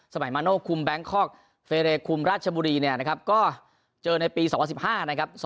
สมัยมาโน้นคุมแบงคอกเฟรรีคุมราชบุรีนะครับก็เจอในปี๒๐๑๕นะครับ